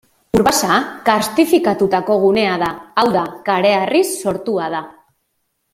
Urbasa karstifikatutako gunea da, hau da, kareharriz sortua da.